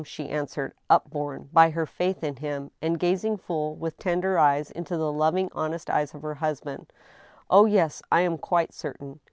" she answered, upborne by her faith in him, and gazing full, with tender eyes, into the loving honest eyes of her husband —" oh, yes, I am quite certain.